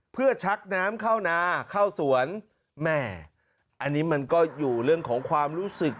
เพื่อชักน้ำเข้านาเข้าสวนแม่อันนี้มันก็อยู่เรื่องของความรู้สึก